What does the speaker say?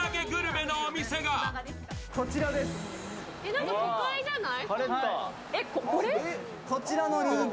なんか都会じゃない？